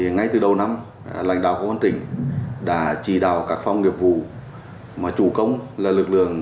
ngay từ đầu năm lãnh đạo công an tỉnh đã chỉ đào các phòng nghiệp vụ mà chủ công là lực lượng